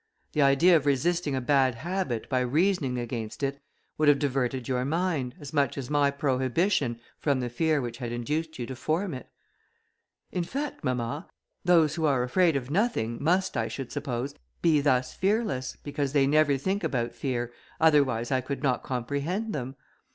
The idea of resisting a bad habit, by reasoning against it, would have diverted your mind, as much as my prohibition, from the fear which had induced you to form it." "In fact, mamma, those who are afraid of nothing, must, I should suppose, be thus fearless, because they never think about fear, otherwise I could not comprehend them."